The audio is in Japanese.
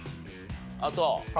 ああそう？